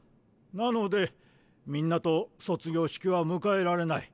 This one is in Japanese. なのでみんなと卒業式は迎えられない。